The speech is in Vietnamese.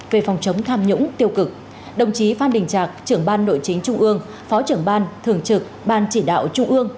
về phòng chống tham nhũng tiêu cực đồng chí phan đình trạc trưởng ban nội chính trung ương phó trưởng ban thường trực ban chỉ đạo trung ương